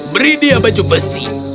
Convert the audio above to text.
beri dia baju besi